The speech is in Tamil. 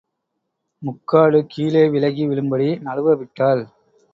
முக்காடு கீழே விலகி விழும்படி நழுவ விட்டாள்.